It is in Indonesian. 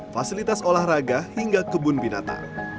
fasilitas olahraga hingga kebun binatang